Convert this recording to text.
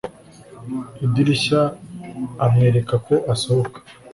idirishya amwereka ko asohoka